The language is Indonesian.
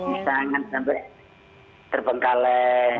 bisa sampai terpengkalai